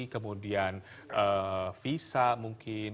kemudian visa mungkin